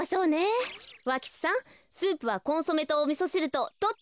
ふわ吉さんスープはコンソメとおみそしるとどっちがいい？